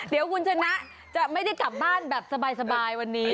เดี๋ยวคุณชนะจะไม่ได้กลับบ้านแบบสบายวันนี้